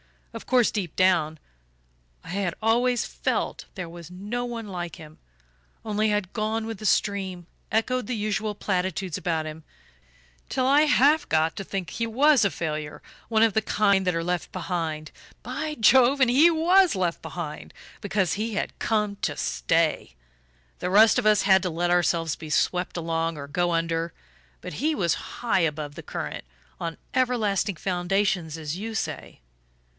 Of course, deep down, I had always FELT there was no one like him only I had gone with the stream, echoed the usual platitudes about him, till I half got to think he was a failure, one of the kind that are left behind. By Jove, and he WAS left behind because he had come to stay! The rest of us had to let ourselves be swept along or go under, but he was high above the current on everlasting foundations, as you say.